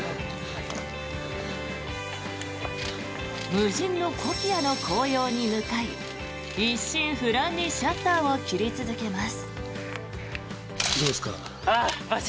無人のコキアの紅葉に向かい一心不乱にシャッターを切り続けます。